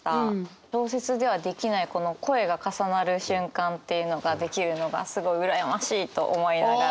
小説ではできないこの声が重なる瞬間っていうのができるのがすごい羨ましいと思いながら。